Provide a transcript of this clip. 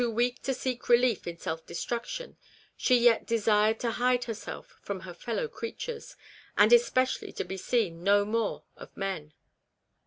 231 weak to seek relief in self destruction, she yet desired to hide herself from her fellow creatures, and especially to be seen no more of men.